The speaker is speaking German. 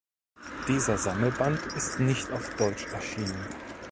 Dieser Sammelband ist nicht auf Deutsch erschienen.